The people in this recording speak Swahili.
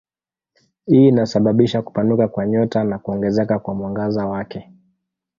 Hii inasababisha kupanuka kwa nyota na kuongezeka kwa mwangaza wake.